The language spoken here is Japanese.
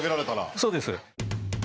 そうです。